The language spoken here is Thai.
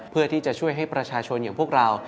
เพื่อที่จะช่วยให้ประชาชนอย่างพวกเรา